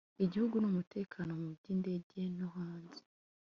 Igihugu nUmutekano mu by Indege no hanze